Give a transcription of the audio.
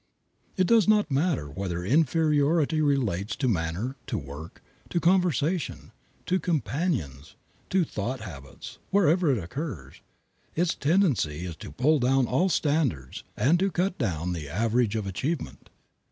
It does not matter whether inferiority relates to manner, to work, to conversation, to companions, to thought habits wherever it occurs, its tendency is to pull down all standards and to cut down the average of achievement.